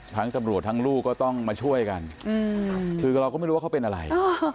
ตำรวจทั้งลูกก็ต้องมาช่วยกันคือเราก็ไม่รู้ว่าเขาเป็นอะไร